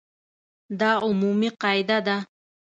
دا عمومي قاعده ده.